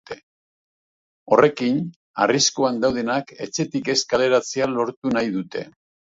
Horrekin, arriskuan daudenak etxetik ez kaleratzea lortu nahi dute.